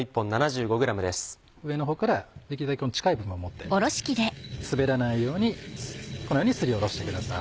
上の方からできるだけ近い部分を持って滑らないようにこのようにすりおろしてください。